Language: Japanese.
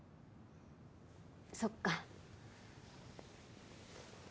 そっか。